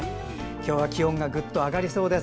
今日は気温がぐっと上がりそうです。